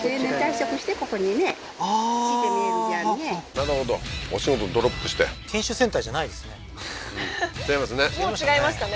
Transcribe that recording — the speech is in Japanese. なるほどお仕事ドロップして研修センターじゃないですねうん違いますね違いましたね